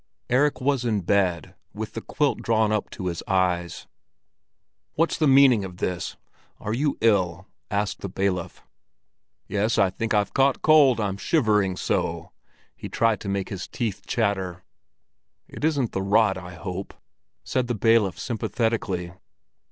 Erik was in bed, with the quilt drawn up to his eyes. "What's the meaning of this? Are you ill?" asked the bailiff. "Yes, I think I've caught cold, I'm shivering so." He tried to make his teeth chatter. "It isn't the rot, I hope?" said the bailiff sympathetically.